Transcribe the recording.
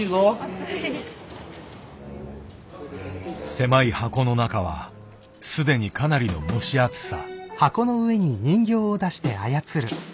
狭い箱の中は既にかなりの蒸し暑さ。